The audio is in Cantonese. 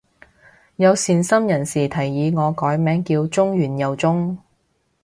有善心人士提議我改名叫中完又中